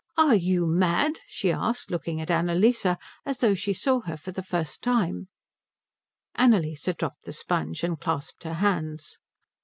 "Are you mad?" she asked, looking at Annalise as though she saw her for the first time. Annalise dropped the sponge and clasped her hands.